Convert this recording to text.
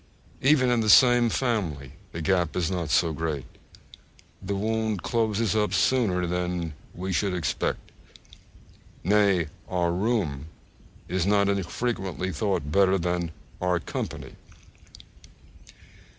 Even in the same family the gap is not so great; the wound closes up sooner than we should expect. Nay, our room is not unfrequently thought better than _our company.